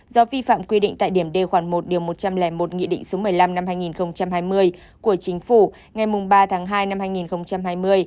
do vi phạm quy định tại điểm d khoản một điều một trăm linh một nghị định số một mươi năm năm hai nghìn hai mươi của chính phủ ngày ba tháng hai năm hai nghìn hai mươi